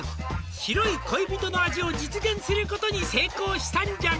「白い恋人の味を実現することに成功したんじゃが」